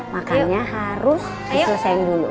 makannya harus diselesaikan dulu